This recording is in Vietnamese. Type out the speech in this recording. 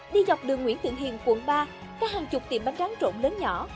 đi dọc đường nguyễn tượng hiền quận ba các hàng chục tiệm bánh tráng trộn lớn nhỏ